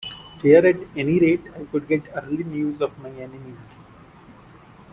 Here, at any rate, I could get early news of my enemies.